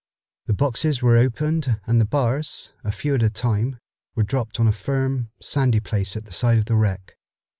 The boxes were opened and the bars, a few at a time, were dropped on a firm, sandy place at the side of the wreck.